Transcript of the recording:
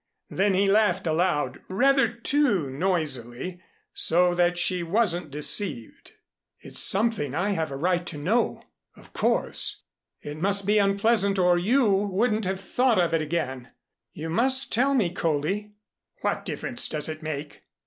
Then he laughed aloud, rather too noisily, so that she wasn't deceived. "It's something I have a right to know, of course. It must be unpleasant or you wouldn't have thought of it again. You must tell me, Coley." "What difference does it make?"